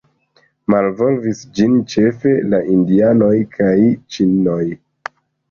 Malvolvis ĝin ĉefe la Indianoj kaj Ĉinoj.